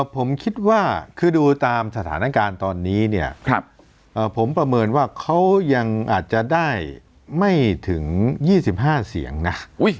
ผมคิดว่าคือดูตามสถานการณ์ตอนนี้เนี่ยผมประเมินว่าเขายังอาจจะได้ไม่ถึง๒๕เสียงนะ